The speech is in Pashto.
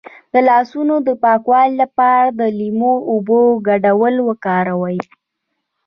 د لاسونو د پاکوالي لپاره د لیمو او اوبو ګډول وکاروئ